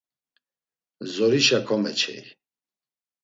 Zorişa komeçey.